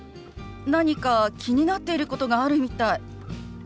何か気になってることがあるみたい。